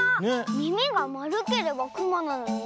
みみがまるければくまなのにね。